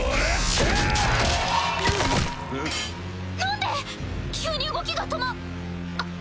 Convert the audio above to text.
なんで⁉急に動きが止まっあっ。